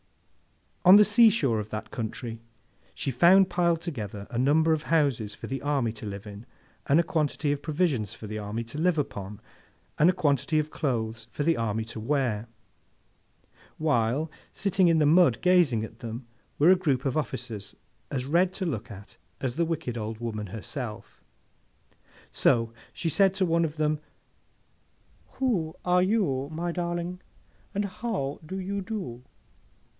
On the sea shore of that country, she found piled together, a number of houses for the army to live in, and a quantity of provisions for the army to live upon, and a quantity of clothes for the army to wear: while, sitting in the mud gazing at them, were a group of officers as red to look at as the wicked old woman herself. So, she said to one of them, 'Who are you, my darling, and how do you do?